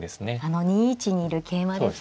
あの２一にいる桂馬ですね。